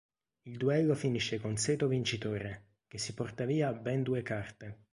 Il duello finisce con Seto vincitore, che si porta via ben due carte.